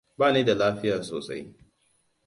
Bani da lafiya sosai.